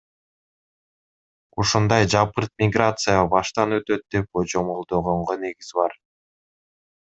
Ушундай жапырт миграция баштан өтөт деп божомолдогонго негиз бар.